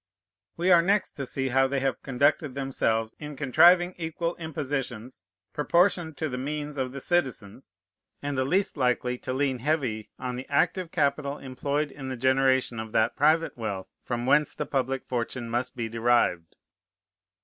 We are next to see how they have conducted themselves in contriving equal impositions, proportioned to the means of the citizens, and the least likely to lean heavy on the active capital employed in the generation of that private wealth from whence the public fortune must be derived.